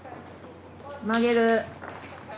曲げる。